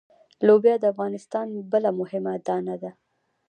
لوبیا د افغانستان بله مهمه دانه ده.